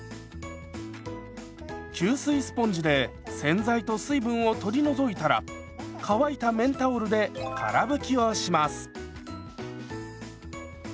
吸水スポンジで洗剤と水分を取り除いたら乾いた綿タオルでから拭きをします。